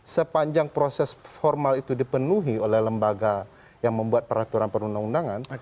sepanjang proses formal itu dipenuhi oleh lembaga yang membuat peraturan perundang undangan